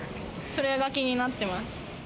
それが気になってます。